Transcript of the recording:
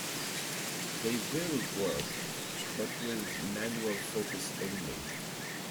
They will work, but with manual focus only.